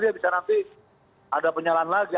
dia bisa nanti ada penyalan lagi